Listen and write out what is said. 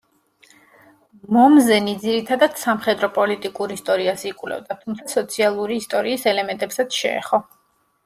მომზენი ძირითადად სამხედრო-პოლიტიკურ ისტორიას იკვლევდა, თუმცა სოციალური ისტორიის ელემენტებსაც შეეხო.